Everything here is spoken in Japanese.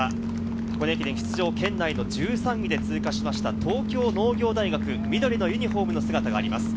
箱根駅伝、圏内の１３位で通過しました東京農業大学、緑のユニホームの姿があります。